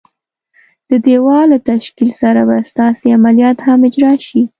د دېوال له تشکیل سره به ستاسي عملیات هم اجرا شي.